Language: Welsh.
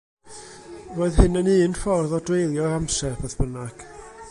Roedd hyn yn un ffordd o dreulio'r amser, beth bynnag.